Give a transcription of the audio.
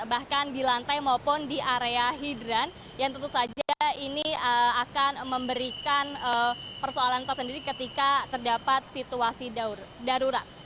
bahkan di lantai maupun di area hidran yang tentu saja ini akan memberikan persoalan tersendiri ketika terdapat situasi darurat